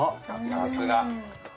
さすが！